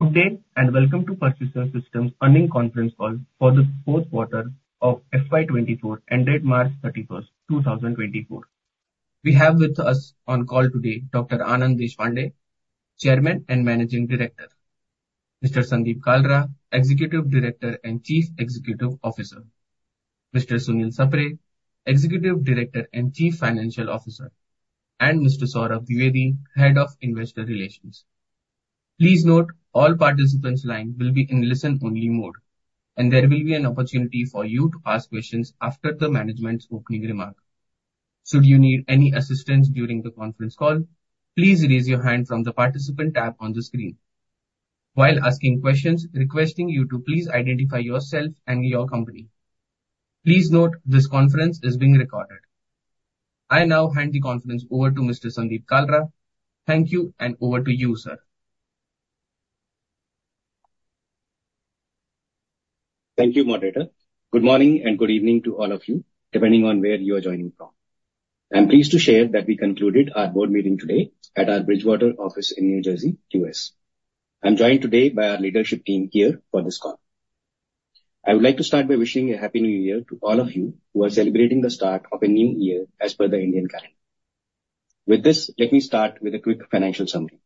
Good day and welcome to Persistent Systems Earnings Conference Call for the fourth quarter of FY24 ended March 31, 2024. We have with us on call today Dr. Anand Deshpande, Chairman and Managing Director, Mr. Sandeep Kalra, Executive Director and Chief Executive Officer, Mr. Sunil Sapre, Executive Director and Chief Financial Officer, and Mr. Saurabh Dwivedi, Head of Investor Relations. Please note, all participants' lines will be in listen-only mode, and there will be an opportunity for you to ask questions after the management's opening remark. Should you need any assistance during the conference call, please raise your hand from the Participant tab on the screen while asking questions requesting you to please identify yourself and your company. Please note, this conference is being recorded. I now hand the conference over to Mr. Sandeep Kalra. Thank you, and over to you, sir. Thank you, Moderator. Good morning and good evening to all of you, depending on where you are joining from. I'm pleased to share that we concluded our board meeting today at our Bridgewater office in New Jersey, U.S. I'm joined today by our leadership team here for this call. I would like to start by wishing a Happy New Year to all of you who are celebrating the start of a new year as per the Indian calendar. With this, let me start with a quick financial summary.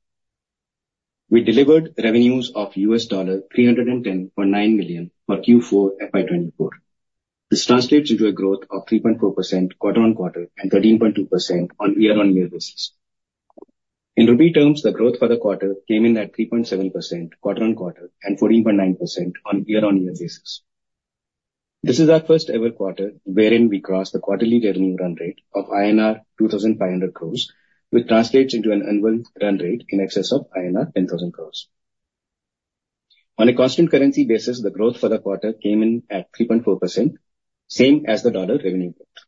We delivered revenues of $310.9 million for Q4 FY24. This translates into a growth of 3.4% quarter-on-quarter and 13.2% on year-on-year basis. In rough terms, the growth for the quarter came in at 3.7% quarter-on-quarter and 14.9% on year-on-year basis. This is our first-ever quarter wherein we crossed the quarterly revenue run rate of INR 2,500 crores, which translates into an annual run rate in excess of INR 10,000 crores. On a constant currency basis, the growth for the quarter came in at 3.4%, same as the dollar revenue growth.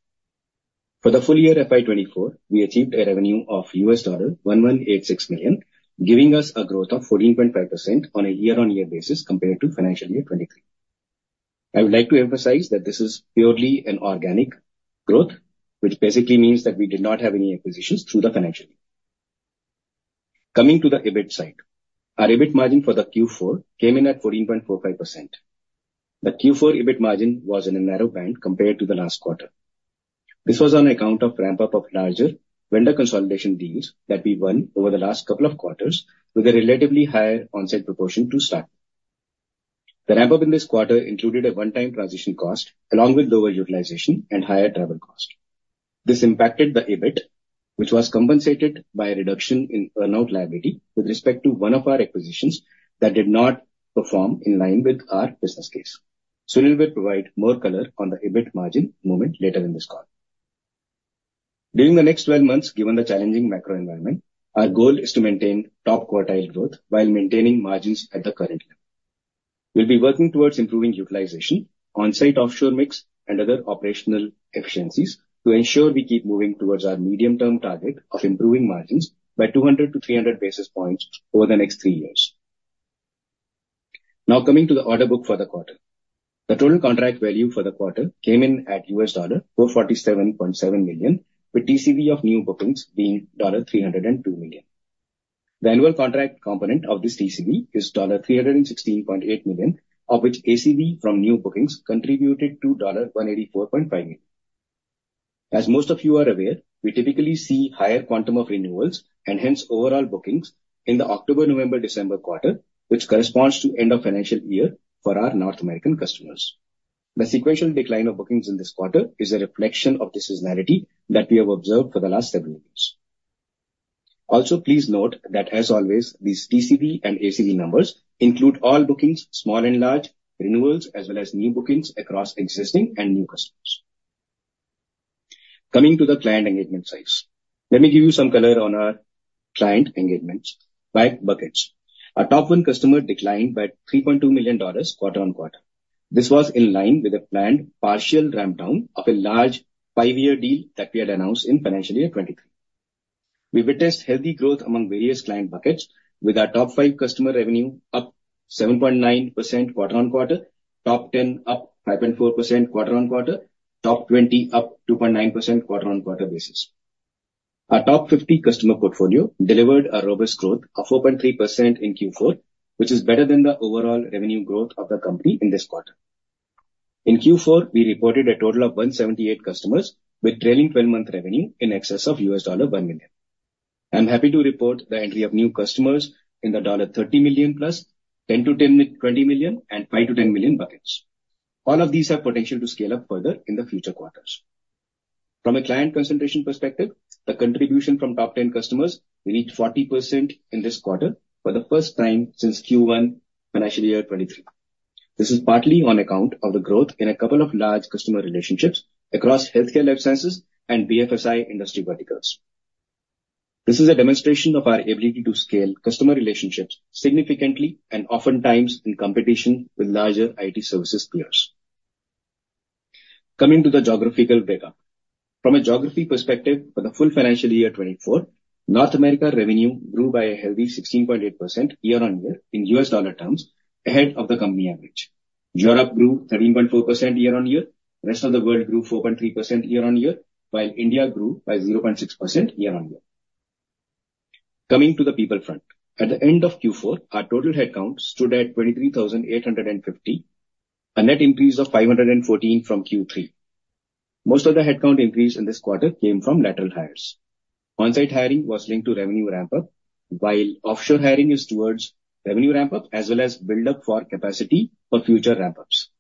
For the full year FY24, we achieved a revenue of $1,186 million, giving us a growth of 14.5% on a year-on-year basis compared to financial year 2023. I would like to emphasize that this is purely an organic growth, which basically means that we did not have any acquisitions through the financial year. Coming to the EBIT side, our EBIT margin for Q4 came in at 14.45%. The Q4 EBIT margin was in a narrow band compared to the last quarter. This was on account of ramp-up of larger vendor consolidation deals that we won over the last couple of quarters with a relatively higher onset proportion to start with. The ramp-up in this quarter included a one-time transition cost along with lower utilization and higher travel cost. This impacted the EBIT, which was compensated by a reduction in earnout liability with respect to one of our acquisitions that did not perform in line with our business case. Sunil will provide more color on the EBIT margin movement later in this call. During the next 12 months, given the challenging macro environment, our goal is to maintain top quartile growth while maintaining margins at the current level. We'll be working towards improving utilization, onsite offshore mix, and other operational efficiencies to ensure we keep moving towards our medium-term target of improving margins by 200-300 basis points over the next three years. Now coming to the order book for the quarter. The total contract value for the quarter came in at $447.7 million, with TCV of new bookings being $302 million. The annual contract component of this TCV is $316.8 million, of which ACV from new bookings contributed to $184.5 million. As most of you are aware, we typically see higher quantum of renewals and hence overall bookings in the October, November, December quarter, which corresponds to end of financial year for our North American customers. The sequential decline of bookings in this quarter is a reflection of the seasonality that we have observed for the last several years. Also, please note that, as always, these TCV and ACV numbers include all bookings, small and large, renewals as well as new bookings across existing and new customers. Coming to the client engagement sides. Let me give you some color on our client engagements, like buckets. Our top 1 customer declined by $3.2 million quarter-on-quarter. This was in line with a planned partial ramp-down of a large five-year deal that we had announced in financial year 2023. We witnessed healthy growth among various client buckets, with our top 5 customer revenue up 7.9% quarter-on-quarter, top 10 up 5.4% quarter-on-quarter, top 20 up 2.9% quarter-on-quarter basis. Our top 50 customer portfolio delivered a robust growth of 4.3% in Q4, which is better than the overall revenue growth of the company in this quarter. In Q4, we reported a total of 178 customers with trailing 12-month revenue in excess of $1 million. I'm happy to report the entry of new customers in the $30 million+, $10 million-$20 million, and $5 million-$10 million buckets. All of these have potential to scale up further in the future quarters. From a client concentration perspective, the contribution from top 10 customers, we reached 40% in this quarter for the first time since Q1 financial year 2023. This is partly on account of the growth in a couple of large customer relationships across healthcare life sciences and BFSI industry verticals. This is a demonstration of our ability to scale customer relationships significantly and oftentimes in competition with larger IT services peers. Coming to the geographical breakup. From a geography perspective, for the full financial year 2024, North America revenue grew by a healthy 16.8% year-on-year in U.S. dollar terms ahead of the company average. Europe grew 13.4% year-on-year. The rest of the world grew 4.3% year-on-year, while India grew by 0.6% year-on-year. Coming to the people front. At the end of Q4, our total headcount stood at 23,850, a net increase of 514 from Q3. Most of the headcount increase in this quarter came from lateral hires. Onsite hiring was linked to revenue ramp-up, while offshore hiring is towards revenue ramp-up as well as build-up for capacity for future ramp-ups.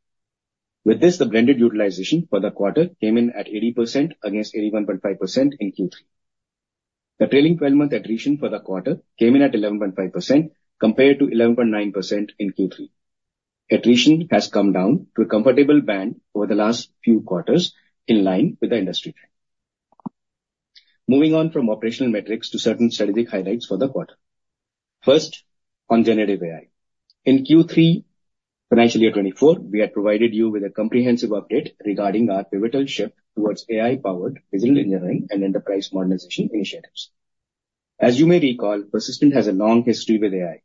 With this, the blended utilization for the quarter came in at 80% against 81.5% in Q3. The trailing 12-month attrition for the quarter came in at 11.5% compared to 11.9% in Q3. Attrition has come down to a comfortable band over the last few quarters in line with the industry trend. Moving on from operational metrics to certain strategic highlights for the quarter. First, on generative AI. In Q3 financial year 2024, we had provided you with a comprehensive update regarding our pivotal shift towards AI-powered digital engineering and enterprise modernization initiatives. As you may recall, Persistent has a long history with AI.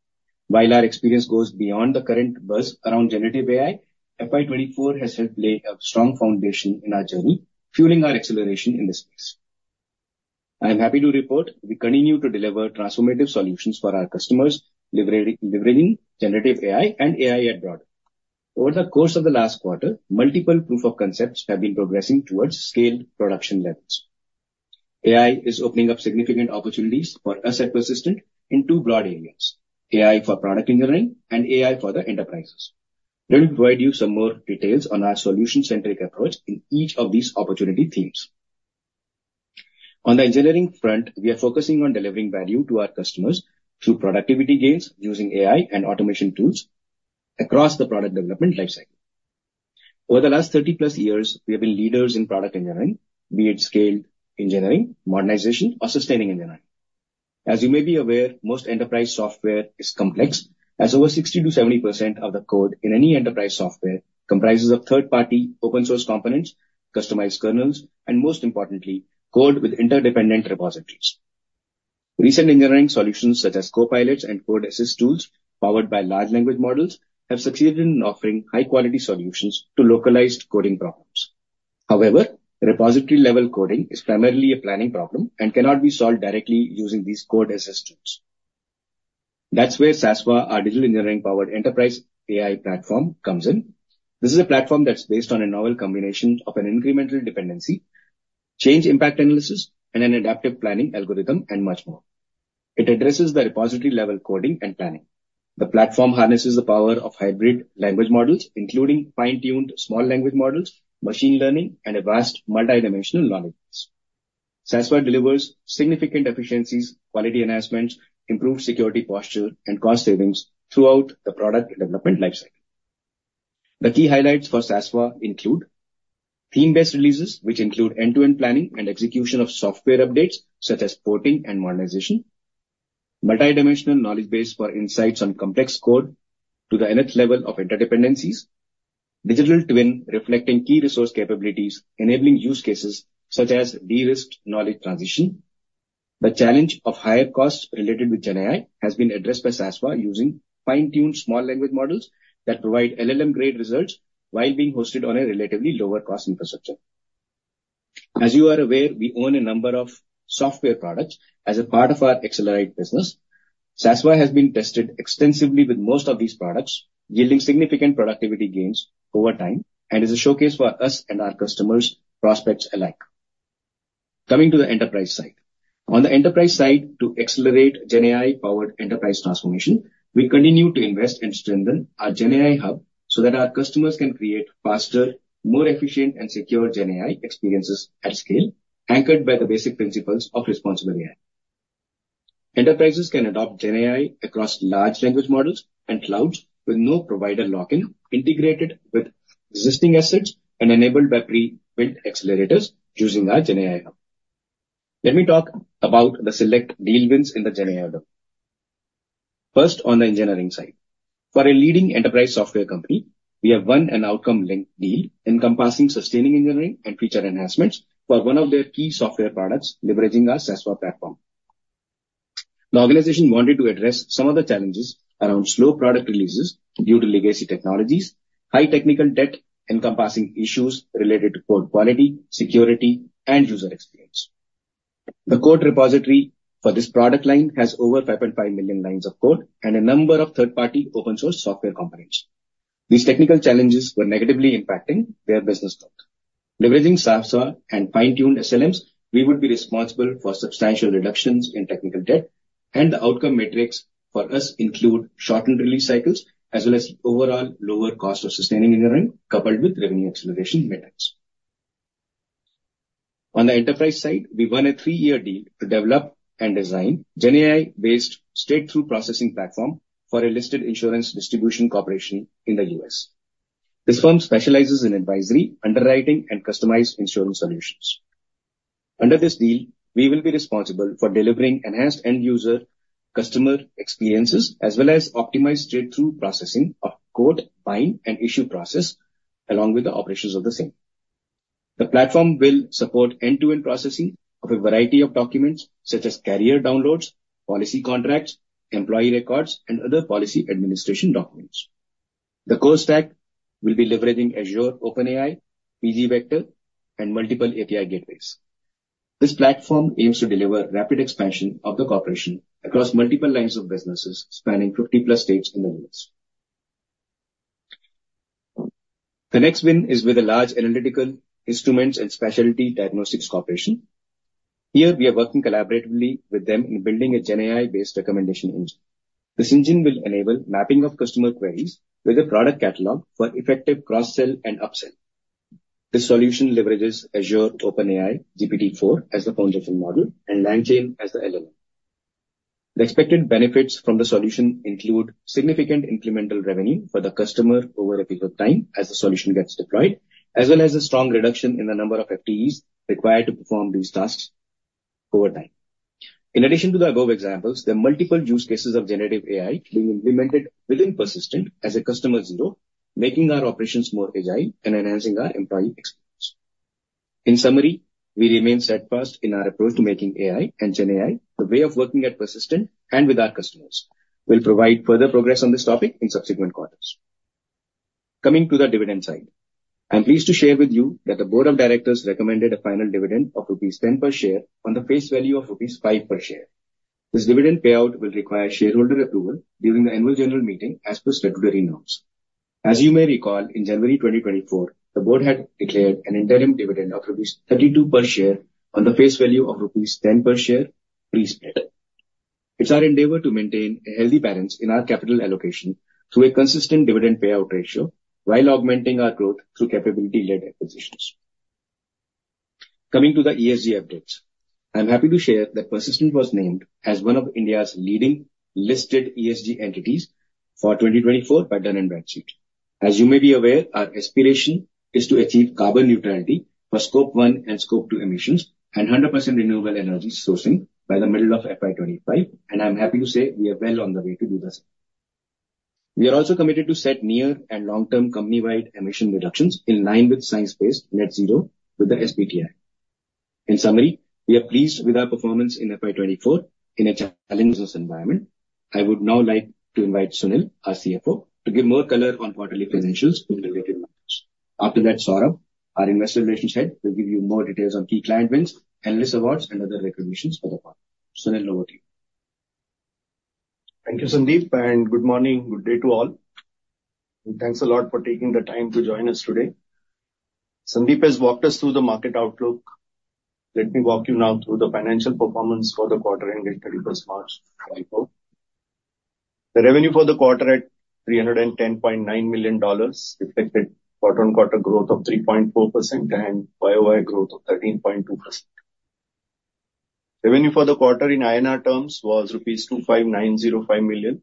While our experience goes beyond the current buzz around generative AI, FY24 has helped lay a strong foundation in our journey, fueling our acceleration in this space. I'm happy to report we continue to deliver transformative solutions for our customers, leveraging generative AI and AI at large. Over the course of the last quarter, multiple proof of concepts have been progressing towards scaled production levels. AI is opening up significant opportunities for us at Persistent in two broad areas: AI for Product Engineering and AI for the Enterprise. Let me provide you some more details on our solution-centric approach in each of these opportunity themes. On the engineering front, we are focusing on delivering value to our customers through productivity gains using AI and automation tools across the product development lifecycle. Over the last 30+ years, we have been leaders in product engineering, be it scaled engineering, modernization, or sustaining engineering. As you may be aware, most enterprise software is complex, as over 60%-70% of the code in any enterprise software comprises third-party open-source components, customized kernels, and most importantly, code with interdependent repositories. Recent engineering solutions such as Copilots and Code Assist tools powered by large language models have succeeded in offering high-quality solutions to localized coding problems. However, repository-level coding is primarily a planning problem and cannot be solved directly using these Code Assist tools. That's where SASVA, our digital engineering-powered enterprise AI platform, comes in. This is a platform that's based on a novel combination of an incremental dependency, change impact analysis, and an adaptive planning algorithm, and much more. It addresses the repository-level coding and planning. The platform harnesses the power of hybrid language models, including fine-tuned small language models, machine learning, and a vast multidimensional knowledge base. SASVA delivers significant efficiencies, quality enhancements, improved security posture, and cost savings throughout the product development lifecycle. The key highlights for SASVA include: theme-based releases, which include end-to-end planning and execution of software updates such as porting and modernization. Multidimensional knowledge base for insights on complex code to the nth level of interdependencies. Digital twin reflecting key resource capabilities, enabling use cases such as de-risk knowledge transition. The challenge of higher costs related with GenAI has been addressed by SASVA using fine-tuned small language models that provide LLM-grade results while being hosted on a relatively lower-cost infrastructure. As you are aware, we own a number of software products as a part of our accelerate business. SASVA has been tested extensively with most of these products, yielding significant productivity gains over time and is a showcase for us and our customers, prospects alike. Coming to the enterprise side. On the enterprise side, to accelerate GenAI-powered enterprise transformation, we continue to invest and strengthen our GenAI hub so that our customers can create faster, more efficient, and secure GenAI experiences at scale, anchored by the basic principles of responsible AI. Enterprises can adopt GenAI across large language models and clouds with no provider lock-in, integrated with existing assets and enabled by pre-built accelerators using our GenAI hub. Let me talk about the select deal wins in the GenAI loop. First, on the engineering side. For a leading enterprise software company, we have won an outcome-linked deal encompassing sustaining engineering and feature enhancements for one of their key software products, leveraging our SASVA platform. The organization wanted to address some of the challenges around slow product releases due to legacy technologies, high technical debt encompassing issues related to code quality, security, and user experience. The code repository for this product line has over 5.5 million lines of code and a number of third-party open-source software components. These technical challenges were negatively impacting their business growth. Leveraging SASVA and fine-tuned SLMs, we would be responsible for substantial reductions in technical debt, and the outcome metrics for us include shortened release cycles as well as overall lower cost of sustaining engineering coupled with revenue acceleration metrics. On the enterprise side, we won a three-year deal to develop and design GenAI-based straight-through processing platform for a listed insurance distribution corporation in the U.S. This firm specializes in advisory, underwriting, and customized insurance solutions. Under this deal, we will be responsible for delivering enhanced end-user customer experiences as well as optimized straight-through processing of quote, bind, and issue process along with the operations of the same. The platform will support end-to-end processing of a variety of documents such as carrier downloads, policy contracts, employee records, and other policy administration documents. The core stack will be leveraging Azure OpenAI, pgvector, and multiple API gateways. This platform aims to deliver rapid expansion of the corporation across multiple lines of businesses spanning 50+ states in the U.S. The next win is with a large analytical instruments and specialty diagnostics corporation. Here, we are working collaboratively with them in building a GenAI-based recommendation engine. This engine will enable mapping of customer queries with a product catalog for effective cross-sell and upsell. This solution leverages Azure OpenAI GPT-4 as the foundational model and LangChain as the LLM. The expected benefits from the solution include significant incremental revenue for the customer over a period of time as the solution gets deployed, as well as a strong reduction in the number of FTEs required to perform these tasks over time. In addition to the above examples, there are multiple use cases of generative AI being implemented within Persistent as a customer zero, making our operations more agile and enhancing our employee experience. In summary, we remain steadfast in our approach to making AI and GenAI the way of working at Persistent and with our customers. We'll provide further progress on this topic in subsequent quarters. Coming to the dividend side. I'm pleased to share with you that the board of directors recommended a final dividend of rupees 10 per share on the face value of rupees 5 per share. This dividend payout will require shareholder approval during the annual general meeting as per statutory norms. As you may recall, in January 2024, the board had declared an interim dividend of rupees 32 per share on the face value of rupees 10 per share pre-split. It's our endeavor to maintain a healthy balance in our capital allocation through a consistent dividend payout ratio while augmenting our growth through capability-led acquisitions. Coming to the ESG updates. I'm happy to share that Persistent was named as one of India's leading listed ESG entities for 2024 by Dun & Bradstreet. As you may be aware, our aspiration is to achieve carbon neutrality for Scope 1 and Scope 2 emissions and 100% renewable energy sourcing by the middle of FY25, and I'm happy to say we are well on the way to do that. We are also committed to set near and long-term company-wide emission reductions in line with science-based net zero with the SBTi. In summary, we are pleased with our performance in FY24 in a challenging environment. I would now like to invite Sunil, our CFO, to give more color on quarterly financials in related matters. After that, Saurabh, our investor relations head, will give you more details on key client wins, analyst awards, and other recognitions for the partner. Sunil, over to you. Thank you, Sandeep, and good morning. Good day to all. Thanks a lot for taking the time to join us today. Sandeep has walked us through the market outlook. Let me walk you now through the financial performance for the quarter ended 31st March 2024. The revenue for the quarter at $310.9 million reflected quarter-on-quarter growth of 3.4% and YOY growth of 13.2%. Revenue for the quarter in INR terms was rupees 25,905 million,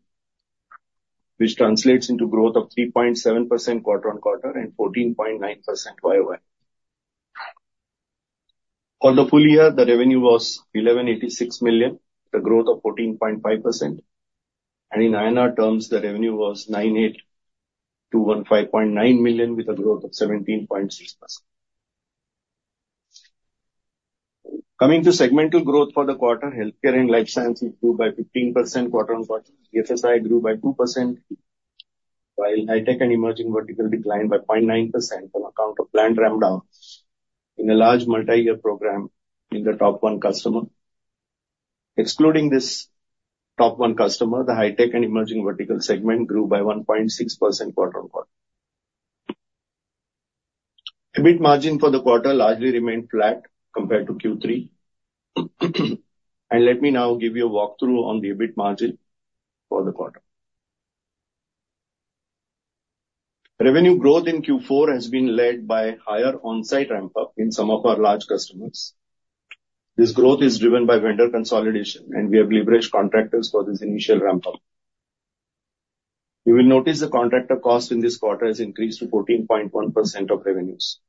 which translates into growth of 3.7% quarter-on-quarter and 14.9% YOY. For the full year, the revenue was $1,186 million, with a growth of 14.5%. In INR terms, the revenue was 98,215.9 million with a growth of 17.6%. Coming to segmental growth for the quarter, healthcare and life sciences grew by 15% quarter-on-quarter. BFSI grew by 2%, while high-tech and emerging vertical declined by 0.9% on account of planned ramp-down in a large multi-year program in the top one customer. Excluding this top one customer, the high-tech and emerging vertical segment grew by 1.6% quarter-on-quarter. EBIT margin for the quarter largely remained flat compared to Q3. Let me now give you a walkthrough on the EBIT margin for the quarter. Revenue growth in Q4 has been led by higher on-site ramp-up in some of our large customers. This growth is driven by vendor consolidation, and we have leveraged contractors for this initial ramp-up. You will notice the contractor cost in this quarter has increased to 14.1% of revenues.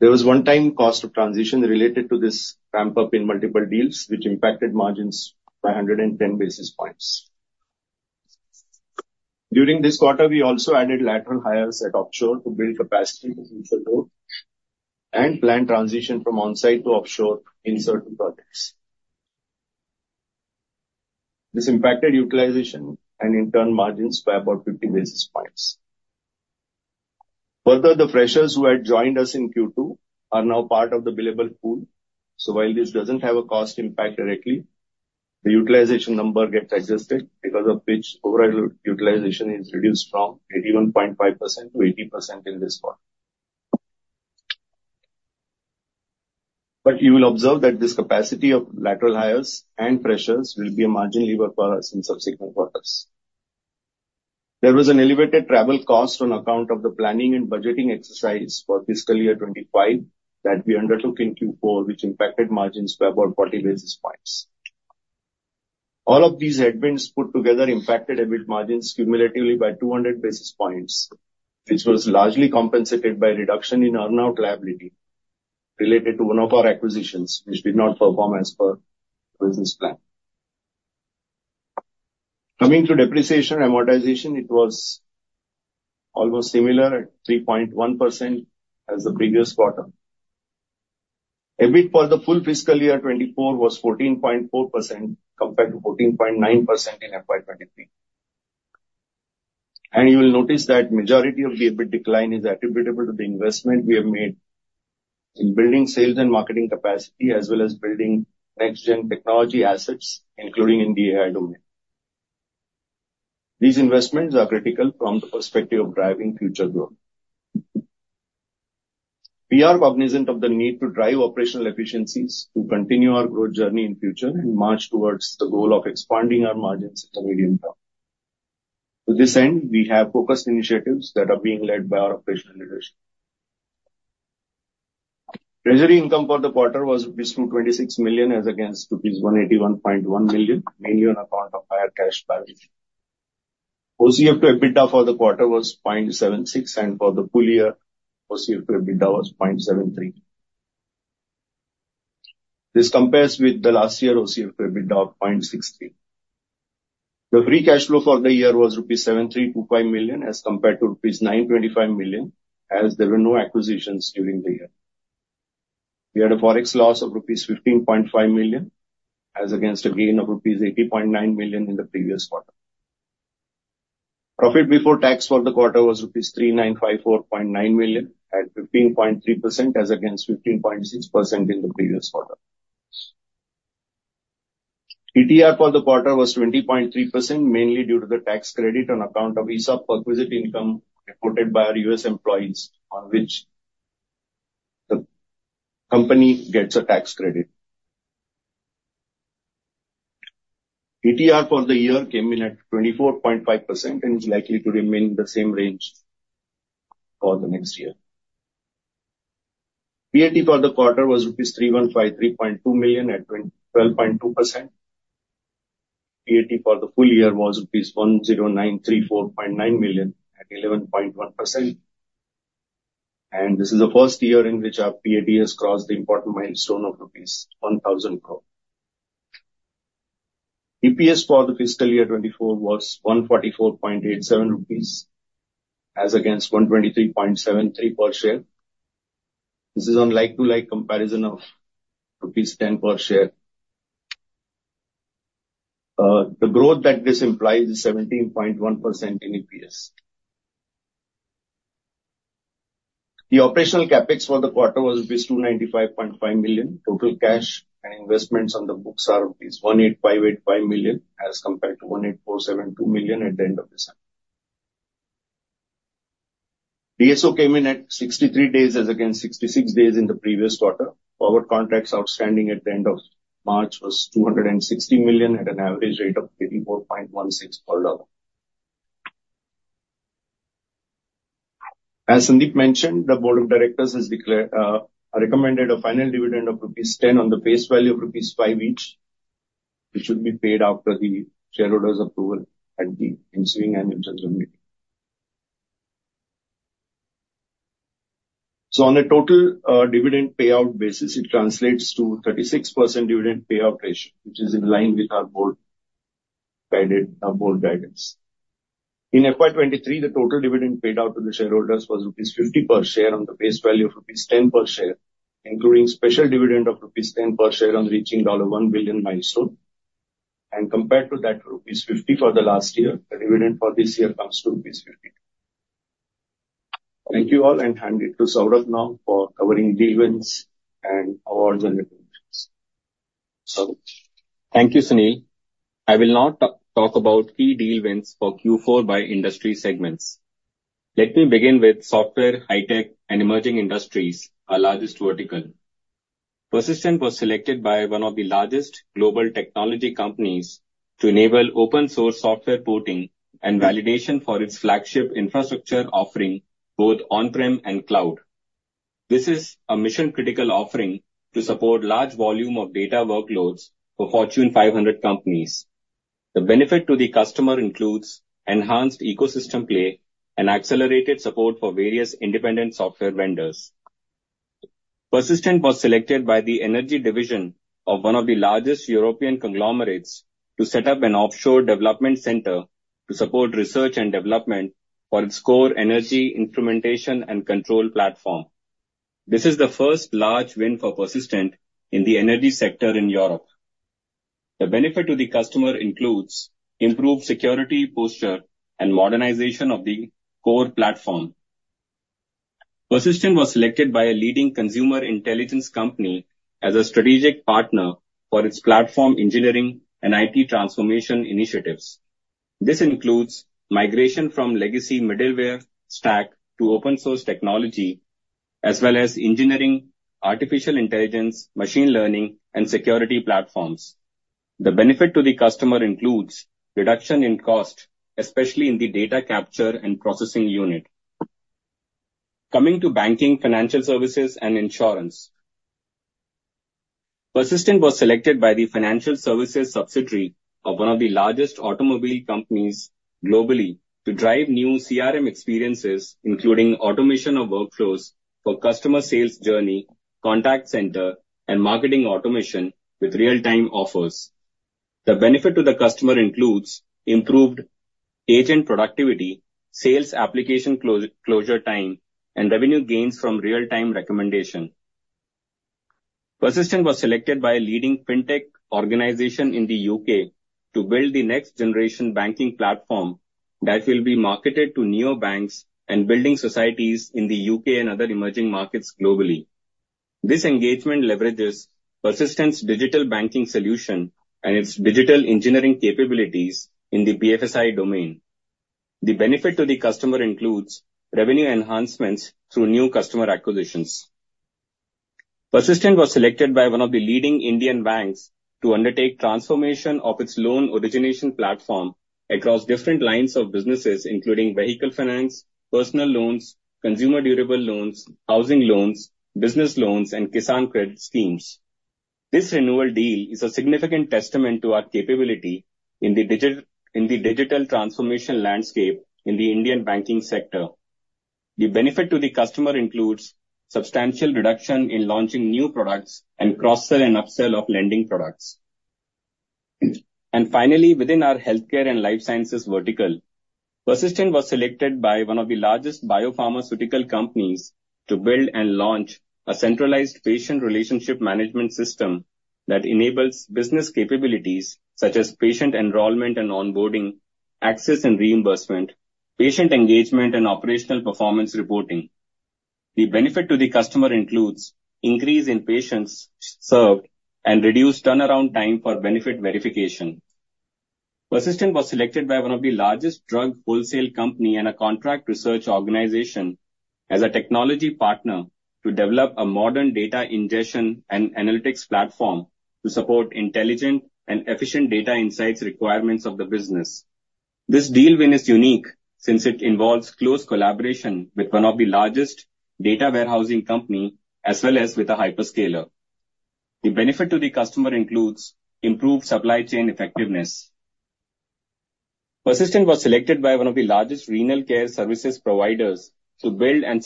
There was one-time cost of transition related to this ramp-up in multiple deals, which impacted margins by 110 basis points. During this quarter, we also added lateral hires at offshore to build capacity for future growth and planned transition from on-site to offshore inserted projects. This impacted utilization and internal margins by about 50 basis points. Further, the freshers who had joined us in Q2 are now part of the billable pool. So while this doesn't have a cost impact directly, the utilization number gets adjusted because of which overall utilization is reduced from 81.5%-80% in this quarter. But you will observe that this capacity of lateral hires and freshers will be a margin lever for us in subsequent quarters. There was an elevated travel cost on account of the planning and budgeting exercise for fiscal year 2025 that we undertook in Q4, which impacted margins by about 40 basis points. All of these advances put together impacted EBIT margins cumulatively by 200 basis points, which was largely compensated by reduction in earnout liability related to one of our acquisitions, which did not perform as per business plan. Coming to depreciation amortization, it was almost similar at 3.1% as the previous quarter. EBIT for the full fiscal year 2024 was 14.4% compared to 14.9% in FY 2023. You will notice that the majority of the EBIT decline is attributable to the investment we have made in building sales and marketing capacity as well as building next-gen technology assets, including in the AI domain. These investments are critical from the perspective of driving future growth. We are cognizant of the need to drive operational efficiencies to continue our growth journey in future and march towards the goal of expanding our margins in the medium term. To this end, we have focused initiatives that are being led by our operational leadership. Treasury income for the quarter was 226 million as against 181.1 million, mainly on account of higher cash balance. OCF to EBITDA for the quarter was 0.76, and for the full year, OCF to EBITDA was 0.73. This compares with the last year's OCF to EBITDA of 0.63. The free cash flow for the year was rupees 7,325 million as compared to rupees 925 million as there were no acquisitions during the year. We had a forex loss of rupees 15.5 million as against a gain of rupees 80.9 million in the previous quarter. Profit before tax for the quarter was rupees 3,954.9 million at 15.3% as against 15.6% in the previous quarter. ETR for the quarter was 20.3%, mainly due to the tax credit on account of ESOP exercise income reported by our U.S. employees on which the company gets a tax credit. ETR for the year came in at 24.5% and is likely to remain the same range for the next year. PAT for the quarter was rupees 3,153.2 million at 12.2%. PAT for the full year was rupees 10,934.9 million at 11.1%. This is the first year in which our PAT has crossed the important milestone of rupees 1,000 crore. EPS for the fiscal year 2024 was 144.87 rupees as against 123.73 per share. This is on like-for-like comparison of rupees 10 per share. The growth that this implies is 17.1% in EPS. The operational CapEx for the quarter was rupees 295.5 million. Total cash and investments on the books are rupees 18,585 million as compared to 18,472 million at the end of the summer. DSO came in at 63 days as against 66 days in the previous quarter. Forward contracts outstanding at the end of March was 260 million at an average rate of 34.16 per dollar. As Sandeep mentioned, the board of directors has recommended a final dividend of rupees 10 on the face value of rupees 5 each, which should be paid after the shareholders' approval at the ensuing annual general meeting. On a total dividend payout basis, it translates to a 36% dividend payout ratio, which is in line with our board guidance. In FY23, the total dividend paid out to the shareholders was rupees 50 per share on the face value of rupees 10 per share, including a special dividend of rupees 10 per share on reaching $1 billion milestone. Compared to that, rupees 50 for the last year, the dividend for this year comes to rupees 52. Thank you all, and hand it to Saurabh now for covering deal wins and awards and recognitions. Thank you, Sunil. I will now talk about key deal wins for Q4 by industry segments. Let me begin with software, high-tech, and emerging industries, our largest vertical. Persistent was selected by one of the largest global technology companies to enable open-source software porting and validation for its flagship infrastructure offering, both on-prem and cloud. This is a mission-critical offering to support a large volume of data workloads for Fortune 500 companies. The benefit to the customer includes enhanced ecosystem play and accelerated support for various independent software vendors. Persistent was selected by the energy division of one of the largest European conglomerates to set up an offshore development center to support research and development for its core energy instrumentation and control platform. This is the first large win for Persistent in the energy sector in Europe. The benefit to the customer includes improved security posture and modernization of the core platform. Persistent was selected by a leading consumer intelligence company as a strategic partner for its platform engineering and IT transformation initiatives. This includes migration from legacy middleware stack to open-source technology, as well as engineering, artificial intelligence, machine learning, and security platforms. The benefit to the customer includes reduction in cost, especially in the data capture and processing unit. Coming to banking, financial services, and insurance, Persistent was selected by the financial services subsidiary of one of the largest automobile companies globally to drive new CRM experiences, including automation of workflows for customer sales journey, contact center, and marketing automation with real-time offers. The benefit to the customer includes improved agent productivity, sales application closure time, and revenue gains from real-time recommendation. Persistent was selected by a leading fintech organization in the U.K. to build the next-generation banking platform that will be marketed to neobanks and building societies in the U.K. and other emerging markets globally. This engagement leverages Persistent's digital banking solution and its digital engineering capabilities in the BFSI domain. The benefit to the customer includes revenue enhancements through new customer acquisitions. Persistent was selected by one of the leading Indian banks to undertake transformation of its loan origination platform across different lines of businesses, including vehicle finance, personal loans, consumer durable loans, housing loans, business loans, and Kisan Credit schemes. This renewal deal is a significant testament to our capability in the digital transformation landscape in the Indian banking sector. The benefit to the customer includes substantial reduction in launching new products and cross-sell and upsell of lending products. And finally, within our healthcare and life sciences vertical, Persistent was selected by one of the largest biopharmaceutical companies to build and launch a centralized patient relationship management system that enables business capabilities such as patient enrollment and onboarding, access and reimbursement, patient engagement, and operational performance reporting. The benefit to the customer includes an increase in patients served and reduced turnaround time for benefit verification. Persistent was selected by one of the largest drug wholesale companies and a contract research organization as a technology partner to develop a modern data ingestion and analytics platform to support intelligent and efficient data insights requirements of the business. This deal win is unique since it involves close collaboration with one of the largest data warehousing companies as well as with a hyperscaler. The benefit to the customer includes improved supply chain effectiveness. Persistent was selected by one of the largest renal care services providers to build and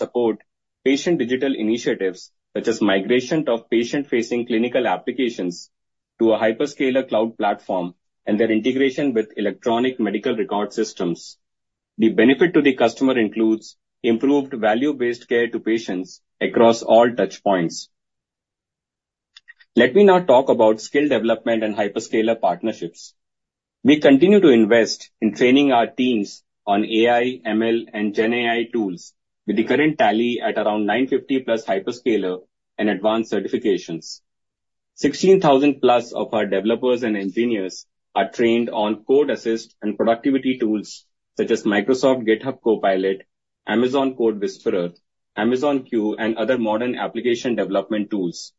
support patient digital initiatives such as migration of patient-facing clinical applications to a hyperscaler cloud platform and their integration with electronic medical record systems. The benefit to the customer includes improved value-based care to patients across all touchpoints. Let me now talk about skill development and hyperscaler partnerships. We continue to invest in training our teams on AI, ML, and GenAI tools with the current tally at around 950+ hyperscaler and advanced certifications. 16,000+ of our developers and engineers are trained on code assist and productivity tools such as Microsoft GitHub Copilot, Amazon CodeWhisperer, Amazon Q, and other modern application development tools.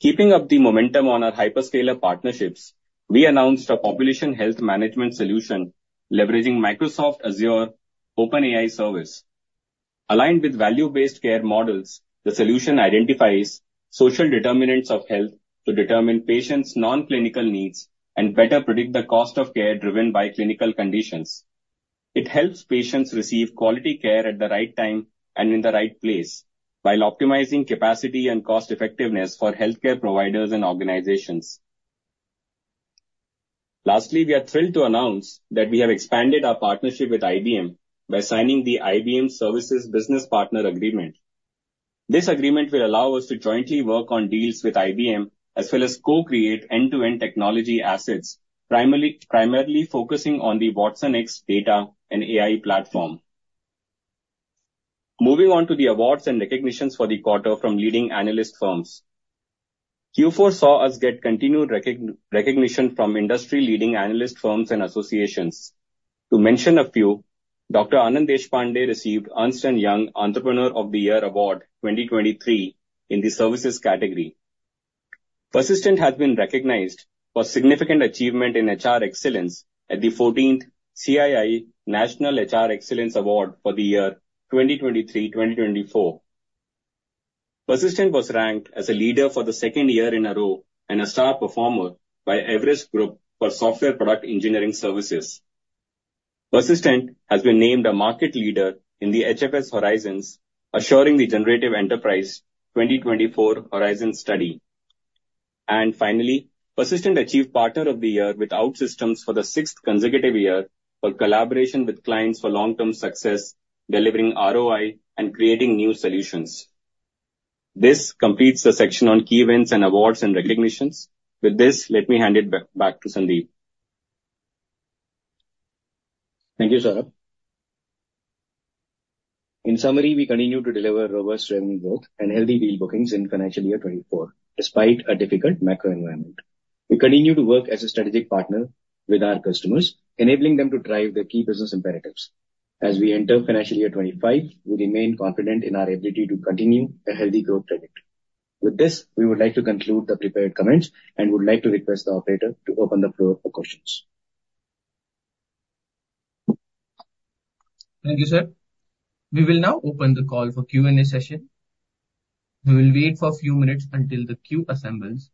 Keeping up the momentum on our hyperscaler partnerships, we announced a population health management solution leveraging Microsoft Azure OpenAI service. Aligned with value-based care models, the solution identifies social determinants of health to determine patients' non-clinical needs and better predict the cost of care driven by clinical conditions. It helps patients receive quality care at the right time and in the right place while optimizing capacity and cost-effectiveness for healthcare providers and organizations. Lastly, we are thrilled to announce that we have expanded our partnership with IBM by signing the IBM Services Business Partner Agreement. This agreement will allow us to jointly work on deals with IBM as well as co-create end-to-end technology assets, primarily focusing on the watsonx data and AI platform. Moving on to the awards and recognitions for the quarter from leading analyst firms, Q4 saw us get continued recognition from industry-leading analyst firms and associations. To mention a few, Dr. Anand Deshpande received Ernst & Young Entrepreneur of the Year Award 2023 in the services category. Persistent has been recognized for significant achievement in HR excellence at the 14th CII National HR Excellence Award for the year 2023-2024. Persistent was ranked as a leader for the second year in a row and a star performer by Everest Group for Software Product Engineering Services. Persistent has been named a market leader in the HFS Horizons Generative Enterprise 2024 Horizon study. Finally, Persistent achieved Partner of the Year with OutSystems for the sixth consecutive year for collaboration with clients for long-term success, delivering ROI, and creating new solutions. This completes the section on key wins and awards and recognitions. With this, let me hand it back to Sandeep. Thank you, Saurabh. In summary, we continue to deliver robust revenue growth and healthy deal bookings in financial year 2024 despite a difficult macro environment. We continue to work as a strategic partner with our customers, enabling them to drive their key business imperatives. As we enter financial year 2025, we remain confident in our ability to continue a healthy growth trajectory. With this, we would like to conclude the prepared comments and would like to request the operator to open the floor for questions. Thank you, sir. We will now open the call for Q&A session. We will wait for a few minutes until the queue assembles.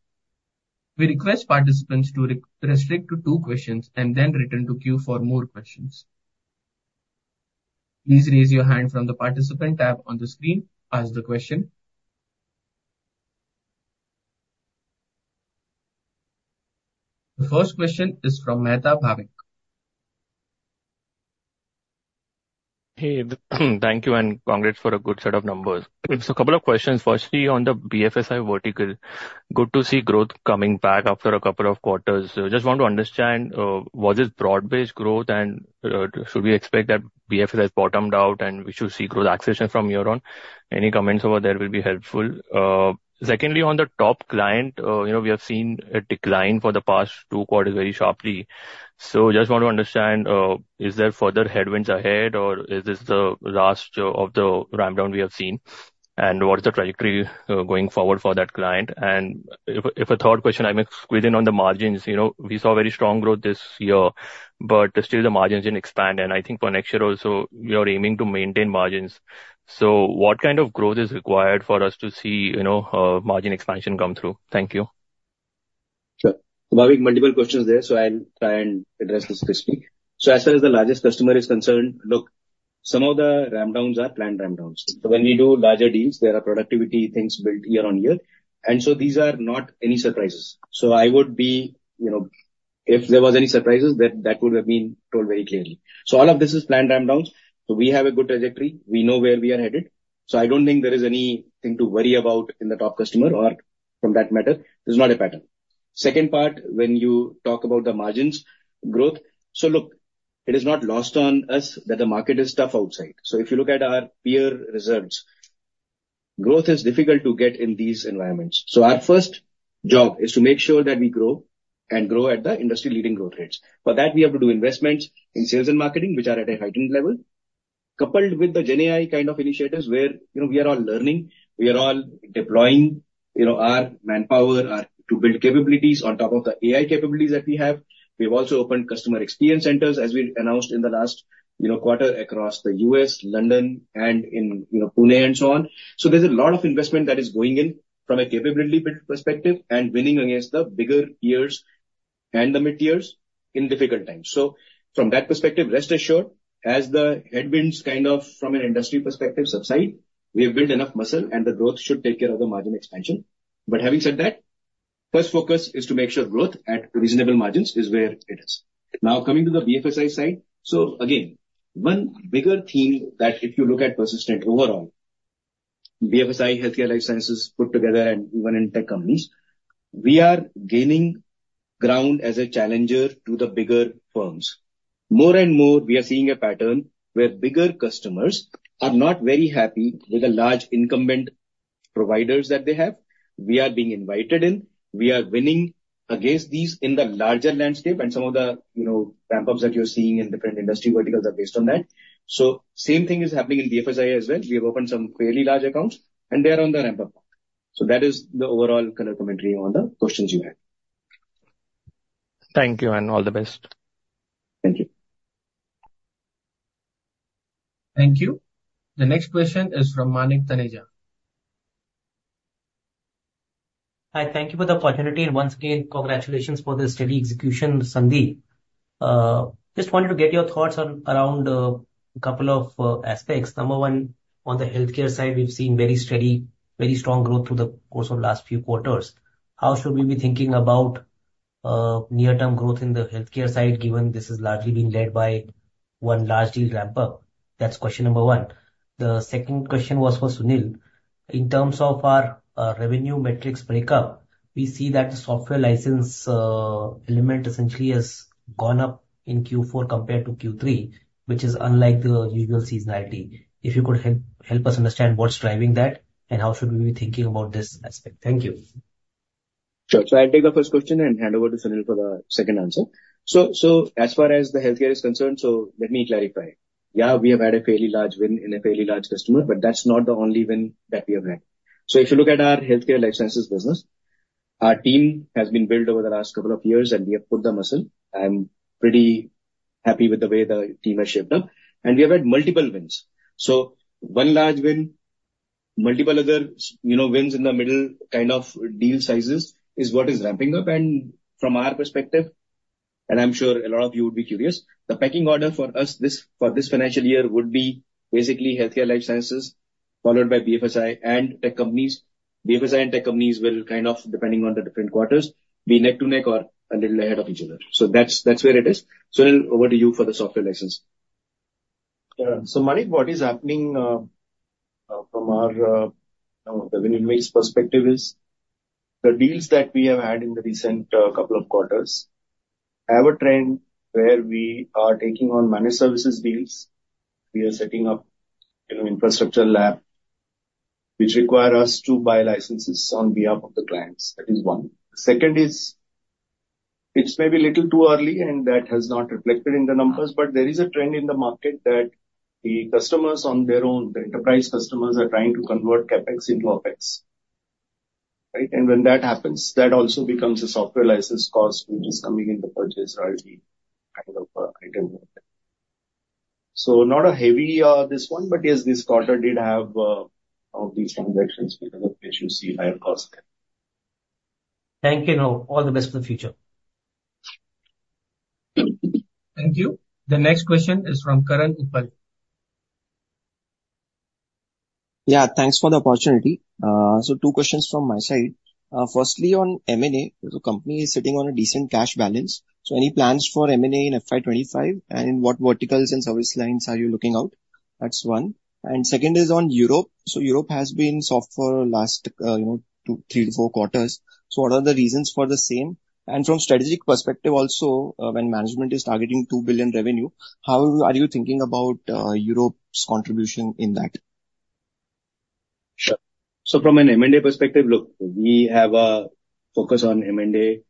We request participants to restrict to two questions and then return to queue for more questions. Please raise your hand from the Participant tab on the screen, ask the question. The first question is from Bhavik Mehta. Hey, thank you, and congrats for a good set of numbers. So a couple of questions. Firstly, on the BFSI vertical, good to see growth coming back after a couple of quarters. Just want to understand, was this broad-based growth, and should we expect that BFSI has bottomed out and we should see growth acceleration from here on? Any comments over there will be helpful. Secondly, on the top client, we have seen a decline for the past two quarters very sharply. So just want to understand, is there further headwinds ahead, or is this the last of the rundown we have seen? And what is the trajectory going forward for that client? And if a third question I may squeeze in on the margins, we saw very strong growth this year, but still the margins didn't expand. I think for next year also, we are aiming to maintain margins. What kind of growth is required for us to see margin expansion come through? Thank you. Sure. Bhavik, multiple questions there, so I'll try and address this quickly. So as far as the largest customer is concerned, look, some of the rundowns are planned rundowns. So when we do larger deals, there are productivity things built year on year. And so these are not any surprises. So I would be if there were any surprises, that would have been told very clearly. So all of this is planned rundowns. So we have a good trajectory. We know where we are headed. So I don't think there is anything to worry about in the top customer or from that matter. There's not a pattern. Second part, when you talk about the margins growth, so look, it is not lost on us that the market is tough outside. So if you look at our peer results, growth is difficult to get in these environments. So our first job is to make sure that we grow and grow at the industry-leading growth rates. For that, we have to do investments in sales and marketing, which are at a heightened level, coupled with the GenAI kind of initiatives where we are all learning. We are all deploying our manpower to build capabilities on top of the AI capabilities that we have. We have also opened customer experience centers, as we announced in the last quarter, across the U.S., London, and in Pune, and so on. So there's a lot of investment that is going in from a capability perspective and winning against the bigger peers and the mid-peers in difficult times. So from that perspective, rest assured, as the headwinds kind of from an industry perspective subside, we have built enough muscle, and the growth should take care of the margin expansion. But having said that, first focus is to make sure growth at reasonable margins is where it is. Now, coming to the BFSI side, so again, one bigger theme that if you look at Persistent overall, BFSI, Healthcare Life Sciences put together, and even in tech companies, we are gaining ground as a challenger to the bigger firms. More and more, we are seeing a pattern where bigger customers are not very happy with the large incumbent providers that they have. We are being invited in. We are winning against these in the larger landscape, and some of the ramp-ups that you're seeing in different industry verticals are based on that. So same thing is happening in BFSI as well. We have opened some fairly large accounts, and they are on the ramp-up path. So that is the overall color commentary on the questions you had. Thank you, and all the best. Thank you. Thank you. The next question is from Manik Taneja. Hi, thank you for the opportunity. Once again, congratulations for the steady execution, Sandeep. Just wanted to get your thoughts around a couple of aspects. Number one, on the healthcare side, we've seen very steady, very strong growth through the course of the last few quarters. How should we be thinking about near-term growth in the healthcare side given this has largely been led by one large deal ramp-up? That's question number one. The second question was for Sunil. In terms of our revenue metrics breakup, we see that the software license element essentially has gone up in Q4 compared to Q3, which is unlike the usual seasonality. If you could help us understand what's driving that and how should we be thinking about this aspect? Thank you. Sure. So I'll take the first question and hand over to Sunil for the second answer. So as far as the healthcare is concerned, so let me clarify. Yeah, we have had a fairly large win in a fairly large customer, but that's not the only win that we have had. So if you look at our Healthcare Life Sciences business, our team has been built over the last couple of years, and we have put the muscle. I'm pretty happy with the way the team has shaped up. And we have had multiple wins. So one large win, multiple other wins in the middle kind of deal sizes is what is ramping up. And from our perspective, and I'm sure a lot of you would be curious, the pecking order for us for this financial year would be basically Healthcare Life Sciences followed by BFSI and tech companies. BFSI and tech companies will kind of, depending on the different quarters, be neck to neck or a little ahead of each other. So that's where it is. Sunil, over to you for the software license. Sure. So Manik, what is happening from our revenue mix perspective is the deals that we have had in the recent couple of quarters have a trend where we are taking on managed services deals. We are setting up infrastructure lab, which require us to buy licenses on behalf of the clients. That is one. The second is it's maybe a little too early, and that has not reflected in the numbers. But there is a trend in the market that the customers on their own, the enterprise customers, are trying to convert CapEx into OpEx, right? And when that happens, that also becomes a software license cost, which is coming in the purchases, raw material kind of item. So not a heavy this one, but yes, this quarter did have some of these transactions because of which you see higher cost there. Thank you. All the best for the future. Thank you. The next question is from Karan Uppal. Yeah, thanks for the opportunity. So 2 questions from my side. Firstly, on M&A, the company is sitting on a decent cash balance. So any plans for M&A in FY25, and in what verticals and service lines are you looking out? That's one. And second is on Europe. So Europe has been soft for the last 3-4 quarters. So what are the reasons for the same? And from a strategic perspective also, when management is targeting $2 billion revenue, how are you thinking about Europe's contribution in that? Sure. So from an M&A perspective, look, we have a focus on M&A.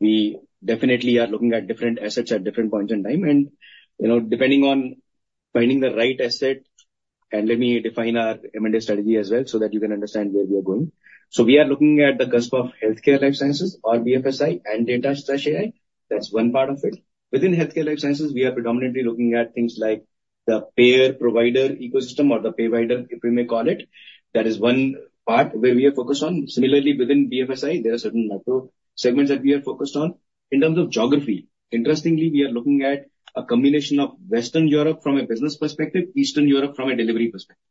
We definitely are looking at different assets at different points in time. And depending on finding the right asset, and let me define our M&A strategy as well so that you can understand where we are going. So we are looking at the cusp of Healthcare Life Sciences or BFSI and Data and AI. That's one part of it. Within Healthcare Life Sciences, we are predominantly looking at things like the payer-provider ecosystem or the payer-provider, if we may call it. That is one part where we are focused on. Similarly, within BFSI, there are certain macro segments that we are focused on. In terms of geography, interestingly, we are looking at a combination of Western Europe from a business perspective, Eastern Europe from a delivery perspective.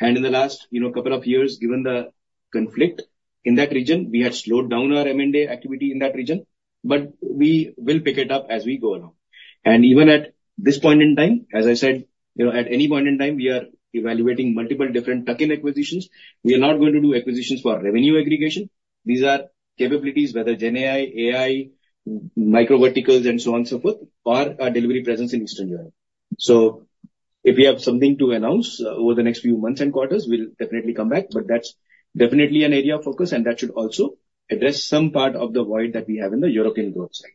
In the last couple of years, given the conflict in that region, we had slowed down our M&A activity in that region, but we will pick it up as we go along. Even at this point in time, as I said, at any point in time, we are evaluating multiple different tuck-in acquisitions. We are not going to do acquisitions for revenue aggregation. These are capabilities, whether GenAI, AI, micro verticals, and so on and so forth, or our delivery presence in Eastern Europe. So if we have something to announce over the next few months and quarters, we'll definitely come back. But that's definitely an area of focus, and that should also address some part of the void that we have in the European growth side.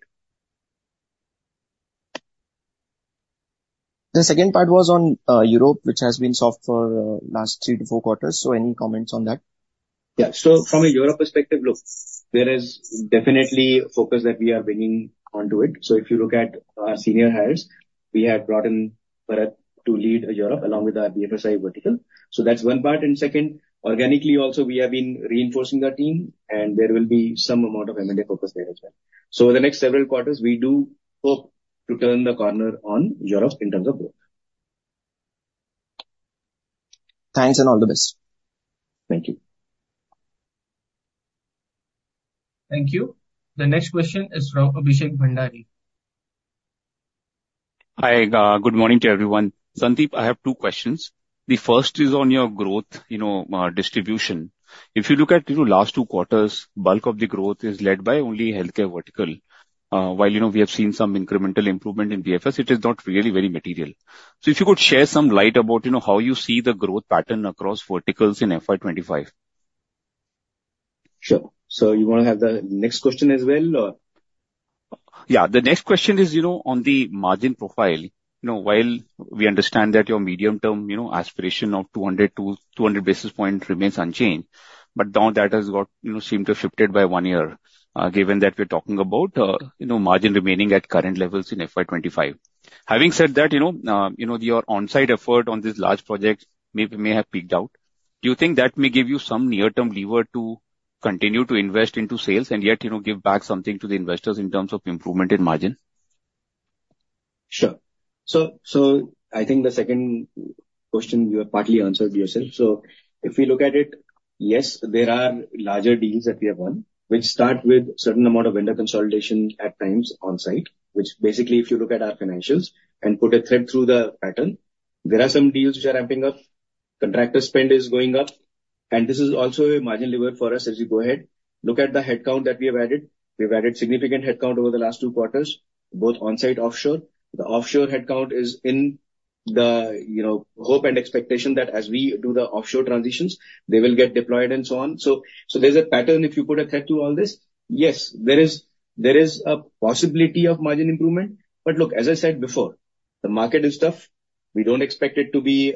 The second part was on Europe, which has been soft for the last three to four quarters. Any comments on that? Yeah. So from a Europe perspective, look, there is definitely focus that we are bringing onto it. So if you look at our senior hires, we have brought in Barath to lead Europe along with our BFSI vertical. So that's one part. Second, organically also, we have been reinforcing our team, and there will be some amount of M&A focus there as well. So over the next several quarters, we do hope to turn the corner on Europe in terms of growth. Thanks and all the best. Thank you. Thank you. The next question is from Abhishek Bhandari. Hi, good morning to everyone. Sandeep, I have two questions. The first is on your growth distribution. If you look at the last two quarters, the bulk of the growth is led by only Healthcare vertical. While we have seen some incremental improvement in BFS, it is not really very material. So if you could shed some light about how you see the growth pattern across verticals in FY25. Sure. So you want to have the next question as well, or? Yeah, the next question is on the margin profile. While we understand that your medium-term aspiration of 200 basis points remains unchanged, but now that has seemed to have shifted by one year given that we're talking about margin remaining at current levels in FY25. Having said that, your on-site effort on this large project may have peaked out. Do you think that may give you some near-term lever to continue to invest into sales and yet give back something to the investors in terms of improvement in margin? Sure. So I think the second question, you have partly answered yourself. So if we look at it, yes, there are larger deals that we have won, which start with a certain amount of vendor consolidation at times on-site, which basically, if you look at our financials and put a thread through the pattern, there are some deals which are ramping up. Contractor spend is going up. And this is also a margin lever for us as you go ahead. Look at the headcount that we have added. We have added a significant headcount over the last two quarters, both on-site and offshore. The offshore headcount is in the hope and expectation that as we do the offshore transitions, they will get deployed and so on. So there's a pattern. If you put a thread through all this, yes, there is a possibility of margin improvement. But look, as I said before, the market is tough. We don't expect it to be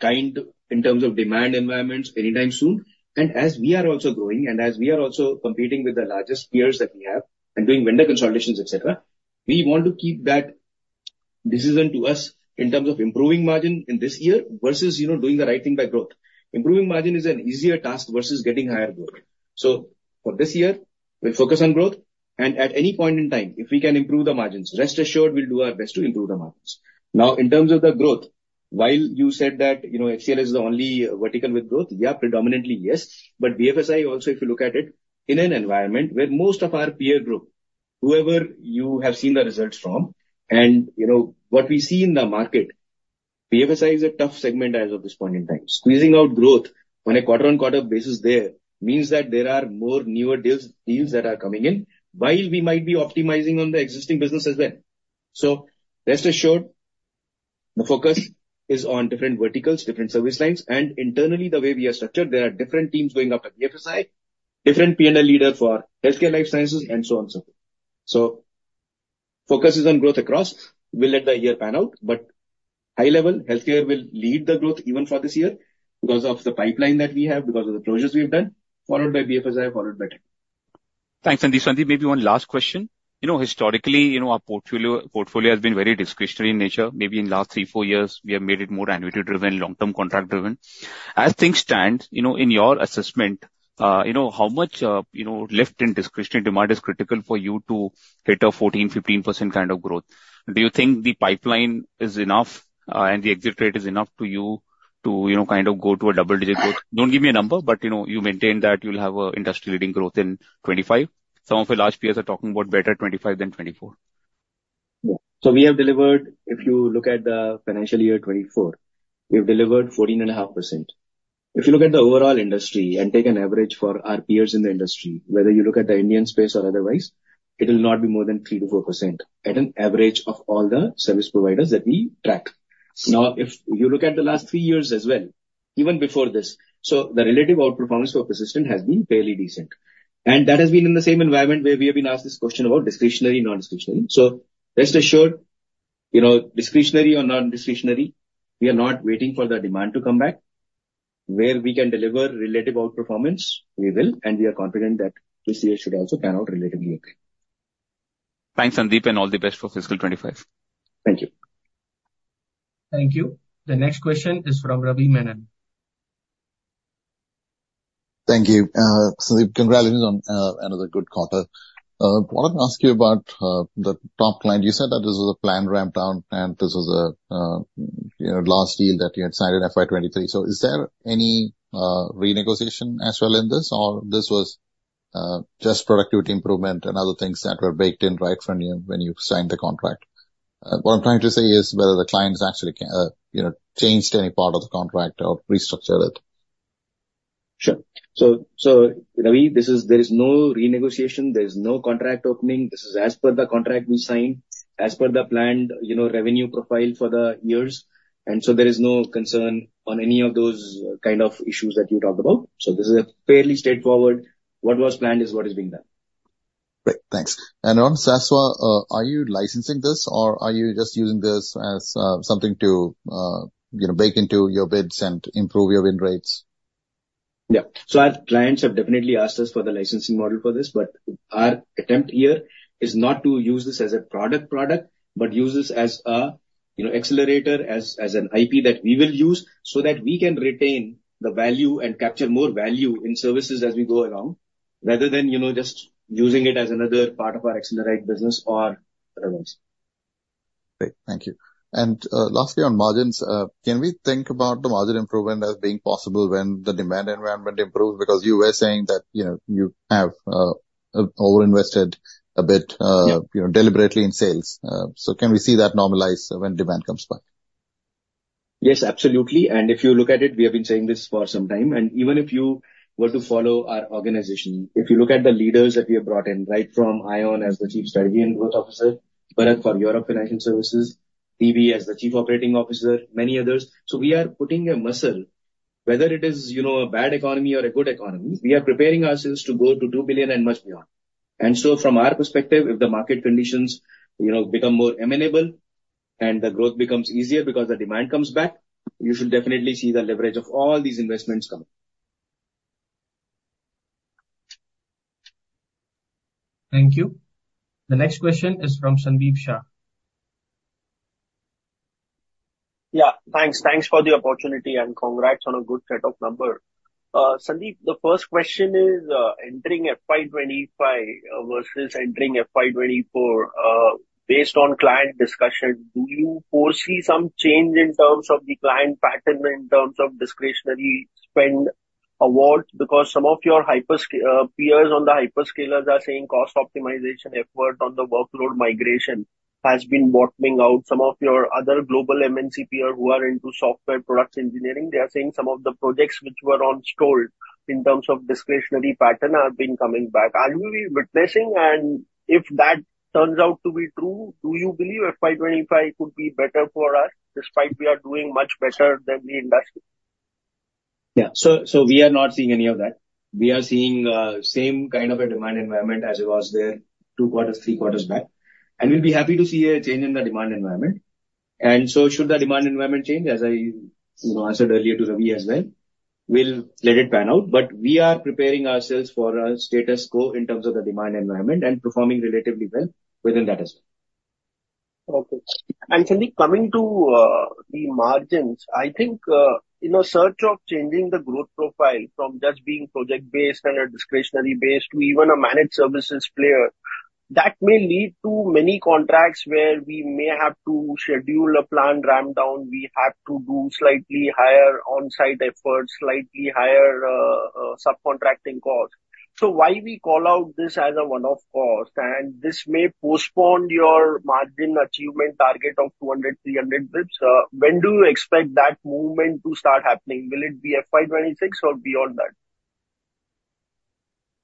kind in terms of demand environments anytime soon. And as we are also growing and as we are also competing with the largest peers that we have and doing vendor consolidations, etc., we want to keep that decision to us in terms of improving margin in this year versus doing the right thing by growth. Improving margin is an easier task versus getting higher growth. So for this year, we'll focus on growth. And at any point in time, if we can improve the margins, rest assured, we'll do our best to improve the margins. Now, in terms of the growth, while you said that HCL is the only vertical with growth, yeah, predominantly, yes. But BFSI also, if you look at it in an environment where most of our peer group, whoever you have seen the results from, and what we see in the market, BFSI is a tough segment as of this point in time. Squeezing out growth on a quarter-on-quarter basis there means that there are more newer deals that are coming in while we might be optimizing on the existing business as well. So rest assured, the focus is on different verticals, different service lines. And internally, the way we are structured, there are different teams going up to BFSI, different P&L leader for Healthcare Life Sciences, and so on and so forth. So focus is on growth across. We'll let the year pan out. High level, healthcare will lead the growth even for this year because of the pipeline that we have, because of the projects we have done, followed by BFSI, followed by tech. Thanks, Sandeep. Sandeep, maybe one last question. Historically, our portfolio has been very discretionary in nature. Maybe in the last three, four years, we have made it more annuity-driven, long-term contract-driven. As things stand, in your assessment, how much left in discretionary demand is critical for you to hit a 14%-15% kind of growth? Do you think the pipeline is enough and the exit rate is enough for you to kind of go to a double-digit growth? Don't give me a number, but you maintain that you'll have an industry-leading growth in 2025. Some of your large peers are talking about better 2025 than 2024. Yeah. So we have delivered, if you look at the financial year 2024, we have delivered 14.5%. If you look at the overall industry and take an average for our peers in the industry, whether you look at the Indian space or otherwise, it will not be more than 3%-4% at an average of all the service providers that we track. Now, if you look at the last three years as well, even before this, so the relative outperformance for Persistent has been fairly decent. And that has been in the same environment where we have been asked this question about discretionary, non-discretionary. So rest assured, discretionary or non-discretionary, we are not waiting for the demand to come back. Where we can deliver relative outperformance, we will. And we are confident that this year should also pan out relatively okay. Thanks, Sandeep, and all the best for fiscal 2025. Thank you. Thank you. The next question is from Ravi Menon. Thank you, Sandeep. Congratulations on another good quarter. I wanted to ask you about the top client. You said that this was a plan ramped down, and this was the last deal that you had signed in FY23. So is there any renegotiation as well in this, or this was just productivity improvement and other things that were baked in right from when you signed the contract? What I'm trying to say is whether the clients actually changed any part of the contract or restructured it. Sure. So Ravi, there is no renegotiation. There is no contract opening. This is as per the contract we signed, as per the planned revenue profile for the years. And so there is no concern on any of those kind of issues that you talked about. So this is fairly straightforward. What was planned is what is being done. Great. Thanks. On SASVA, are you licensing this, or are you just using this as something to bake into your bids and improve your win rates? Yeah. So our clients have definitely asked us for the licensing model for this. But our attempt here is not to use this as a product-product, but use this as an accelerator, as an IP that we will use so that we can retain the value and capture more value in services as we go along, rather than just using it as another part of our accelerate business or otherwise. Great. Thank you. Lastly, on margins, can we think about the margin improvement as being possible when the demand environment improves? Because you were saying that you have over-invested a bit deliberately in sales. Can we see that normalize when demand comes back? Yes, absolutely. And if you look at it, we have been saying this for some time. And even if you were to follow our organization, if you look at the leaders that we have brought in, right from Ayon as the Chief Strategy and Growth Officer, Barath for Europe Financial Services, DB as the Chief Operating Officer, many others. So we are putting a muscle. Whether it is a bad economy or a good economy, we are preparing ourselves to go to $2 billion and much beyond. And so from our perspective, if the market conditions become more amenable and the growth becomes easier because the demand comes back, you should definitely see the leverage of all these investments coming. Thank you. The next question is from Sandeep Shah. Yeah, thanks. Thanks for the opportunity, and congrats on a good set of numbers. Sandeep, the first question is entering FY25 versus entering FY24. Based on client discussions, do you foresee some change in terms of the client pattern, in terms of discretionary spend awards? Because some of your peers on the hyperscalers are saying cost optimization effort on the workload migration has been bottoming out. Some of your other global MNC peers who are into software products engineering, they are saying some of the projects which were on stall in terms of discretionary pattern have been coming back. Are we witnessing? And if that turns out to be true, do you believe FY25 could be better for us despite we are doing much better than the industry? Yeah. So we are not seeing any of that. We are seeing the same kind of a demand environment as it was there two quarters, three quarters back. And we'll be happy to see a change in the demand environment. And so should the demand environment change, as I answered earlier to Ravi as well, we'll let it pan out. But we are preparing ourselves for a status quo in terms of the demand environment and performing relatively well within that as well. Okay. And Sandeep, coming to the margins, I think in a search of changing the growth profile from just being project-based and a discretionary-based to even a managed services player, that may lead to many contracts where we may have to schedule a plan rampdown. We have to do slightly higher on-site efforts, slightly higher subcontracting costs. So why do we call out this as a one-off cost? And this may postpone your margin achievement target of 200, 300 basis points. When do you expect that movement to start happening? Will it be FY26 or beyond that?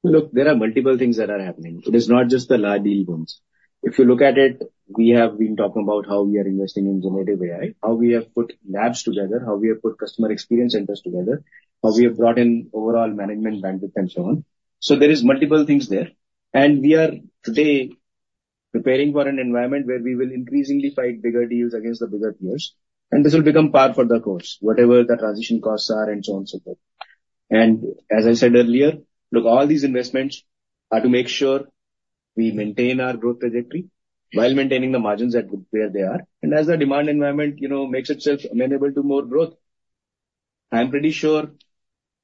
Look, there are multiple things that are happening. It is not just the large deal booms. If you look at it, we have been talking about how we are investing in generative AI, how we have put labs together, how we have put customer experience centers together, how we have brought in overall management bandwidth, and so on. There are multiple things there. We are today preparing for an environment where we will increasingly fight bigger deals against the bigger peers. This will become par for the course, whatever the transition costs are, and so on and so forth. As I said earlier, look, all these investments are to make sure we maintain our growth trajectory while maintaining the margins where they are. As the demand environment makes itself amenable to more growth, I'm pretty sure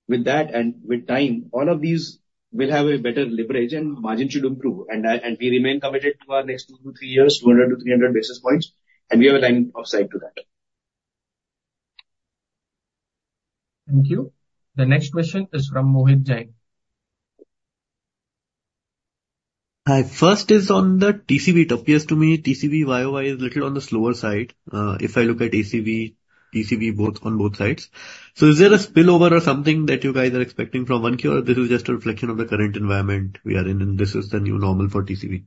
with that and with time, all of these will have a better leverage, and margins should improve. We remain committed to our next two to three years, 200-300 basis points. We have a line of sight to that. Thank you. The next question is from Mohit Jain. Hi. First is on the TCV. It appears to me TCV YOY is a little on the slower side if I look at ACV, TCV, both on both sides. So is there a spillover or something that you guys are expecting from 1Q, or this is just a reflection of the current environment we are in, and this is the new normal for TCV?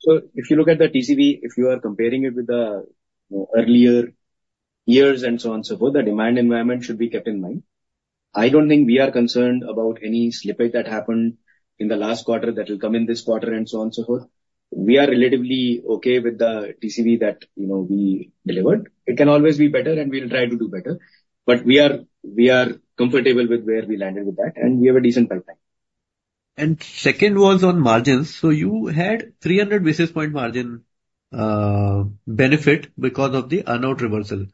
So if you look at the TCV, if you are comparing it with the earlier years and so on and so forth, the demand environment should be kept in mind. I don't think we are concerned about any slippage that happened in the last quarter that will come in this quarter, and so on and so forth. We are relatively okay with the TCV that we delivered. It can always be better, and we'll try to do better. But we are comfortable with where we landed with that, and we have a decent pipeline. Second was on margins. You had 300 basis point margin benefit because of the announced reversal.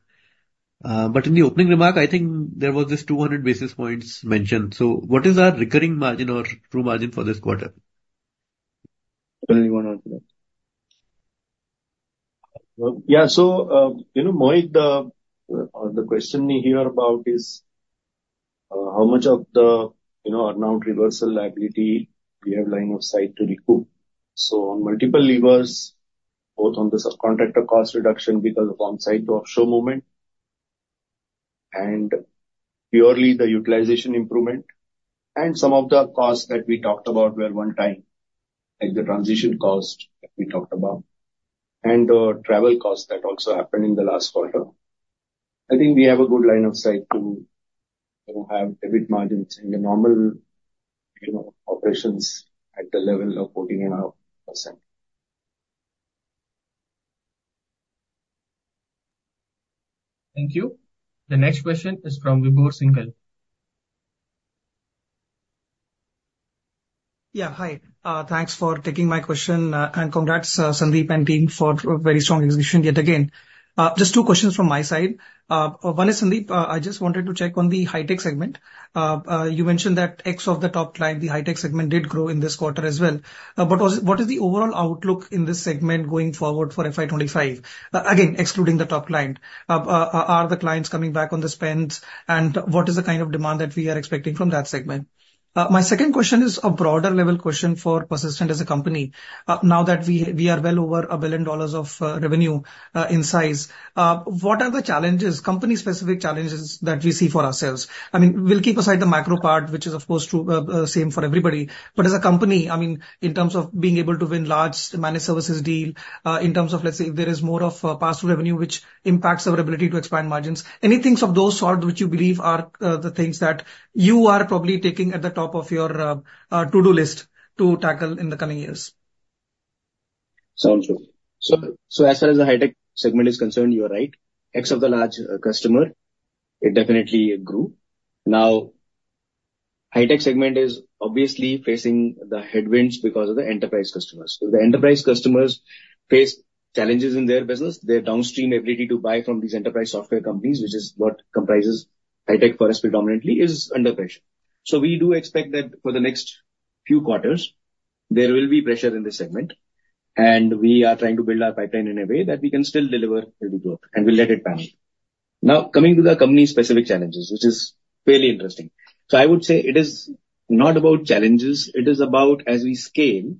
In the opening remark, I think there was this 200 basis points mentioned. What is our recurring margin or true margin for this quarter? Anyone want to add? Yeah. So Mohit, the question we hear about is how much of the announced reversibility we have line of sight to recoup. So on multiple levers, both on the subcontractor cost reduction because of on-site to offshore movement and purely the utilization improvement and some of the costs that we talked about one time, like the transition cost that we talked about and the travel cost that also happened in the last quarter, I think we have a good line of sight to have EBIT margins in the normal operations at the level of 14.5%. Thank you. The next question is from Vibhu Singhal. Yeah. Hi. Thanks for taking my question. Congrats, Sandeep and team, for very strong execution yet again. Just two questions from my side. One is, Sandeep, I just wanted to check on the high-tech segment. You mentioned that one of the top clients in the high-tech segment did grow in this quarter as well. But what is the overall outlook in this segment going forward for FY25? Again, excluding the top client. Are the clients coming back on the spends, and what is the kind of demand that we are expecting from that segment? My second question is a broader-level question for Persistent as a company. Now that we are well over $1 billion of revenue in size, what are the challenges, company-specific challenges, that we see for ourselves? I mean, we'll keep aside the macro part, which is, of course, the same for everybody. But as a company, I mean, in terms of being able to win large managed services deals, in terms of, let's say, if there is more of pass-through revenue which impacts our ability to expand margins, any things of those sorts which you believe are the things that you are probably taking at the top of your to-do list to tackle in the coming years? Sounds good. So as far as the high-tech segment is concerned, you are right. One of the large customer, it definitely grew. Now, high-tech segment is obviously facing the headwinds because of the enterprise customers. If the enterprise customers face challenges in their business, their downstream ability to buy from these enterprise software companies, which is what comprises high-tech for us predominantly, is under pressure. So we do expect that for the next few quarters, there will be pressure in this segment. And we are trying to build our pipeline in a way that we can still deliver healthy growth, and we'll let it pan out. Now, coming to the company-specific challenges, which is fairly interesting. So I would say it is not about challenges. It is about, as we scale,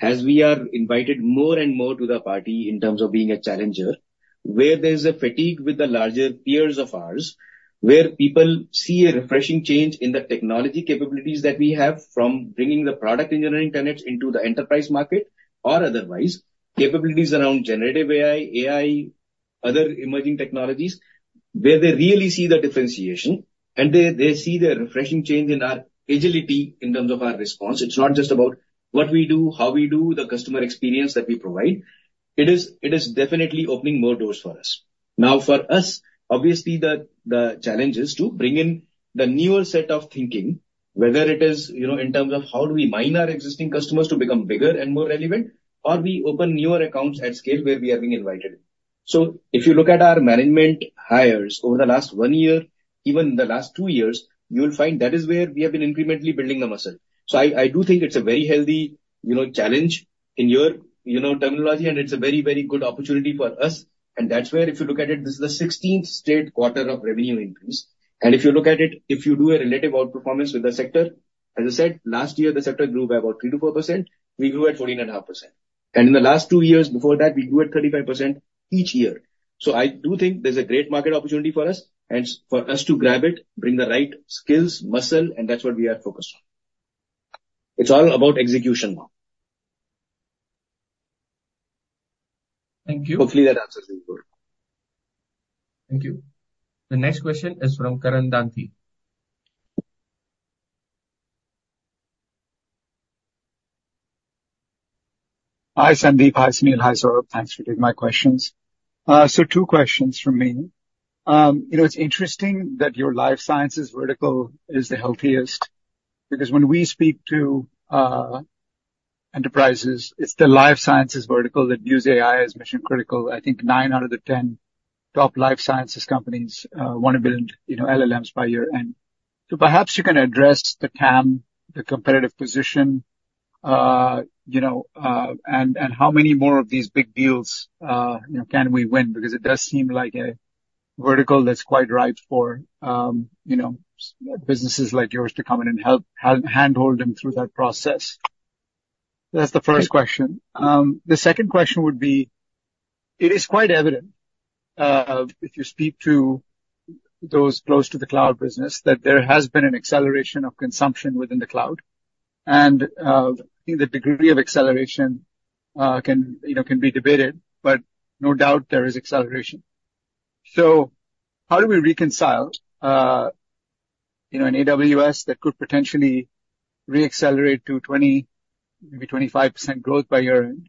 as we are invited more and more to the party in terms of being a challenger, where there is a fatigue with the larger peers of ours, where people see a refreshing change in the technology capabilities that we have from bringing the product engineering tenets into the enterprise market or otherwise, capabilities around generative AI, AI, other emerging technologies, where they really see the differentiation, and they see the refreshing change in our agility in terms of our response. It's not just about what we do, how we do, the customer experience that we provide. It is definitely opening more doors for us. Now, for us, obviously, the challenge is to bring in the newer set of thinking, whether it is in terms of how do we mine our existing customers to become bigger and more relevant, or we open newer accounts at scale where we are being invited. So if you look at our management hires over the last one year, even the last two years, you'll find that is where we have been incrementally building the muscle. So I do think it's a very healthy challenge in your terminology, and it's a very, very good opportunity for us. And that's where, if you look at it, this is the 16th straight quarter of revenue increase. And if you look at it, if you do a relative outperformance with the sector, as I said, last year, the sector grew by about 3%-4%. We grew at 14.5%. In the last two years before that, we grew at 35% each year. I do think there's a great market opportunity for us and for us to grab it, bring the right skills, muscle, and that's what we are focused on. It's all about execution now. Thank you. Hopefully, that answers your question. Thank you. The next question is from Karan Danthi. Hi, Sandeep. Hi, Sunil. Hi, Saurabh. Thanks for taking my questions. So two questions from me. It's interesting that your life sciences vertical is the healthiest because when we speak to enterprises, it's the life sciences vertical that views AI as mission-critical. I think 9 out of the 10 top life sciences companies want to build LLMs by year-end. So perhaps you can address the TAM, the competitive position, and how many more of these big deals can we win because it does seem like a vertical that's quite ripe for businesses like yours to come in and handhold them through that process. That's the first question. The second question would be, it is quite evident, if you speak to those close to the cloud business, that there has been an acceleration of consumption within the cloud. And I think the degree of acceleration can be debated, but no doubt there is acceleration. So how do we reconcile an AWS that could potentially re-accelerate to 20%, maybe 25% growth by year-end?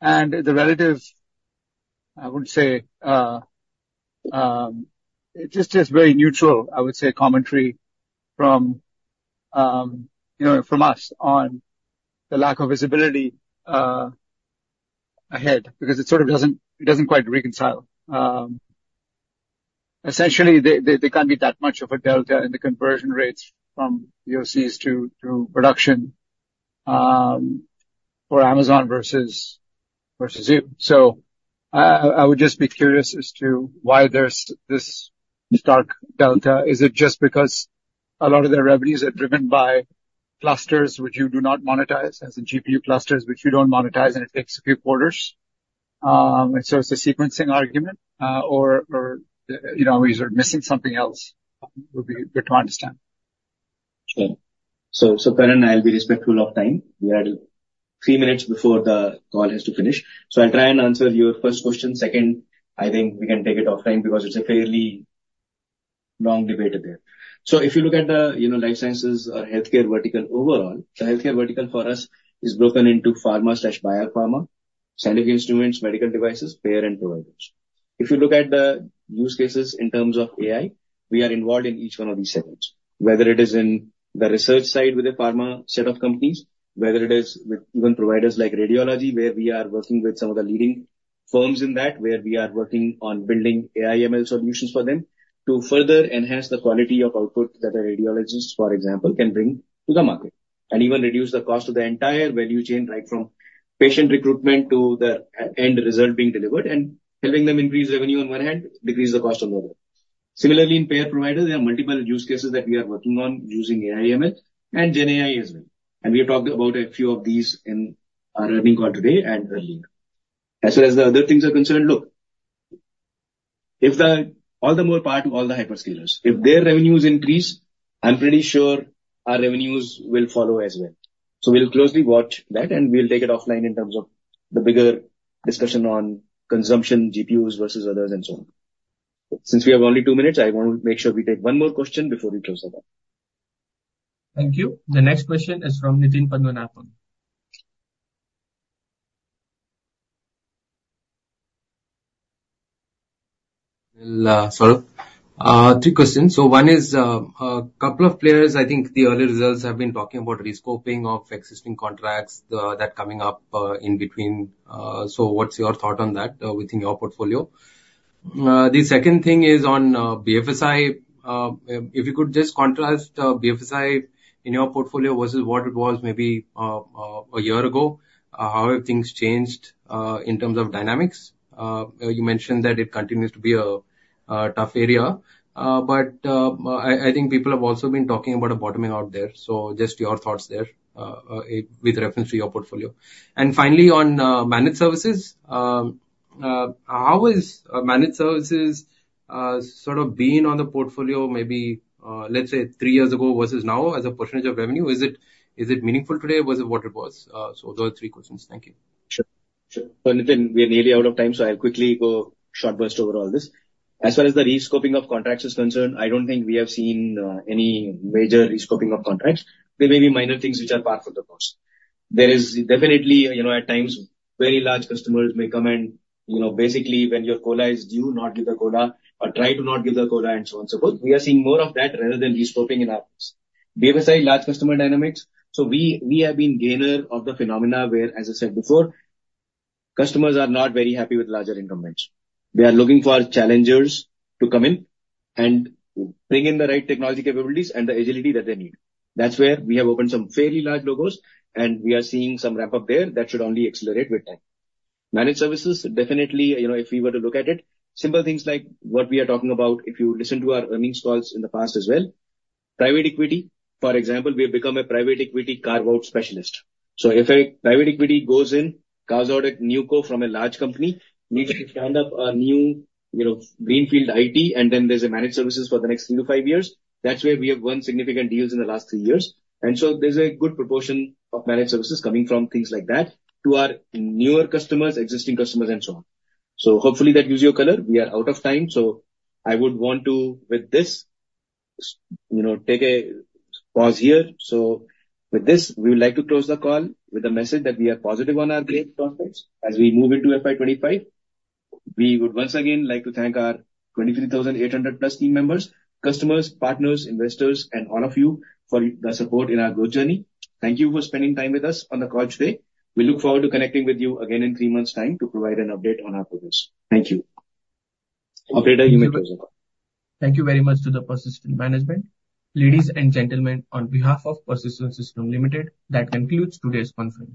And the relative, I wouldn't say, it's just very neutral, I would say, commentary from us on the lack of visibility ahead because it sort of doesn't quite reconcile. Essentially, there can't be that much of a delta in the conversion rates from POCs to production for Amazon versus you. So I would just be curious as to why there's this stark delta. Is it just because a lot of their revenues are driven by clusters which you do not monetize, as in GPU clusters which you don't monetize, and it takes a few quarters? And so it's a sequencing argument, or are we sort of missing something else? It would be good to understand. Sure. So Karan, I'll be respectful of time. We are three minutes before the call has to finish. So I'll try and answer your first question. Second, I think we can take it offline because it's a fairly long debate there. So if you look at the life sciences or healthcare vertical overall, the healthcare vertical for us is broken into pharma/biopharma, scientific instruments, medical devices, payer, and providers. If you look at the use cases in terms of AI, we are involved in each one of these segments, whether it is in the research side with a pharma set of companies, whether it is with even providers like radiology, where we are working with some of the leading firms in that, where we are working on building AI/ML solutions for them to further enhance the quality of output that a radiologist, for example, can bring to the market and even reduce the cost of the entire value chain, right from patient recruitment to the end result being delivered, and helping them increase revenue on one hand, decrease the cost on the other. Similarly, in payer providers, there are multiple use cases that we are working on using AI/ML and GenAI as well. And we have talked about a few of these in our earnings call today and earlier. As far as the other things are concerned, look, all the more part to all the hyperscalers, if their revenues increase, I'm pretty sure our revenues will follow as well. So we'll closely watch that, and we'll take it offline in terms of the bigger discussion on consumption, GPUs versus others, and so on. Since we have only two minutes, I want to make sure we take one more question before we close the call. Thank you. The next question is from Nitin Padmanabhan. Saurabh, three questions. So one is, a couple of players, I think the earlier results have been talking about rescoping of existing contracts that are coming up in between. So what's your thought on that within your portfolio? The second thing is on BFSI. If you could just contrast BFSI in your portfolio versus what it was maybe a year ago, how have things changed in terms of dynamics? You mentioned that it continues to be a tough area. But I think people have also been talking about a bottoming out there. So just your thoughts there with reference to your portfolio. And finally, on managed services, how has managed services sort of been on the portfolio, maybe, let's say, three years ago versus now as a percentage of revenue? Is it meaningful today versus what it was? So those three questions. Thank you. Sure. Sure. So, Nitin, we are nearly out of time, so I'll quickly go short burst over all this. As far as the rescoping of contracts is concerned, I don't think we have seen any major rescoping of contracts. There may be minor things which are part of the cost. There is definitely, at times, very large customers may come and basically, when your COLA is due, not give the COLA or try to not give the COLA, and so on and so forth. We are seeing more of that rather than rescoping in our case. BFSI, large customer dynamics. So we have been gainer of the phenomena where, as I said before, customers are not very happy with larger incumbents. They are looking for challengers to come in and bring in the right technology capabilities and the agility that they need. That's where we have opened some fairly large logos, and we are seeing some ramp-up there that should only accelerate with time. Managed services, definitely, if we were to look at it, simple things like what we are talking about, if you listen to our earnings calls in the past as well, private equity, for example, we have become a private equity carve-out specialist. So if a private equity goes in, carves out a NewCo from a large company, needs to stand up a new greenfield IT, and then there's a managed services for the next three to five years, that's where we have won significant deals in the last 3 years. And so there's a good proportion of managed services coming from things like that to our newer customers, existing customers, and so on. So hopefully, that gives you a color. We are out of time. I would want to, with this, take a pause here. With this, we would like to close the call with a message that we are positive on our growth prospects as we move into FY25. We would once again like to thank our 23,800+ team members, customers, partners, investors, and all of you for the support in our growth journey. Thank you for spending time with us on the call today. We look forward to connecting with you again in three months' time to provide an update on our progress. Thank you. Operator, you may close. Thank you very much to the Persistent management. Ladies and gentlemen, on behalf of Persistent Systems Limited, that concludes today's conference.